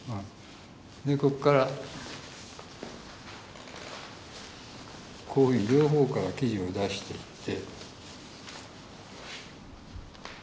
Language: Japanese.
でここからこういうふうに両方から生地を出しておいて。